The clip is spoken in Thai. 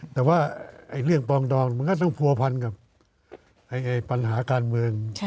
แต่ว่าเรื่องปองดองมันก็ต้องผัวพันกับปัญหาการเมือง